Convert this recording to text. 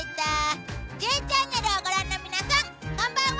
「Ｊチャンネル」をご覧の皆さんこんばんは！